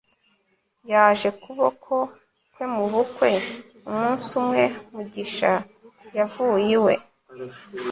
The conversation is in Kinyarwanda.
yaje kuboko kwe mubukwe. umunsi umwe, mugisha yavuye iwe